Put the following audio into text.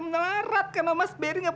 masih kuat masih bisa